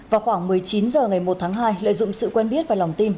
vào khoảng một mươi chín h ngày một tháng hai lợi dụng sự quen biết và lòng tin